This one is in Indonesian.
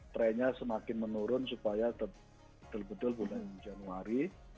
trennya semakin menurun supaya terbetul bulan januari